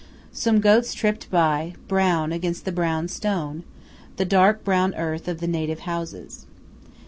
Some goats tripped by, brown against the brown stone the dark brown earth of the native houses.